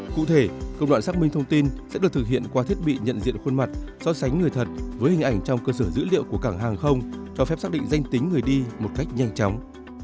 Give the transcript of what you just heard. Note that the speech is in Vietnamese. cụ thể công đoạn xác minh thông tin sẽ được thực hiện qua thiết bị nhận diện khuôn mặt so sánh người thật với hình ảnh trong cơ sở dữ liệu của cảng hàng không cho phép xác định danh tính người đi một cách nhanh chóng